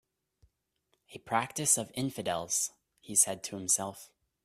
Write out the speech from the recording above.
"A practice of infidels," he said to himself.